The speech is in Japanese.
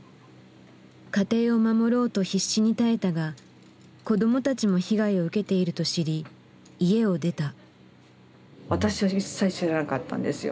家庭を守ろうと必死に耐えたが子どもたちも被害を受けていると知り家を出た。